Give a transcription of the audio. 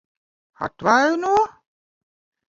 Atvaino?